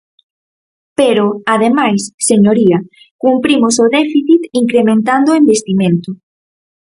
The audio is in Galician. Pero, ademais, señoría, cumprimos o déficit incrementando o investimento.